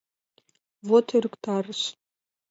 — Вот ӧрыктарыш!